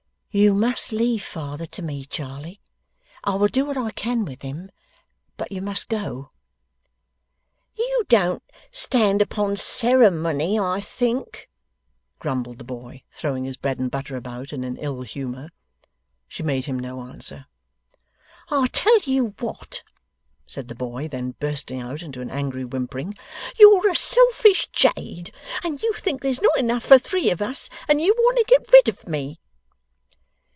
'You must leave father to me, Charley I will do what I can with him but you must go.' 'You don't stand upon ceremony, I think,' grumbled the boy, throwing his bread and butter about, in an ill humour. She made him no answer. 'I tell you what,' said the boy, then, bursting out into an angry whimpering, 'you're a selfish jade, and you think there's not enough for three of us, and you want to get rid of me.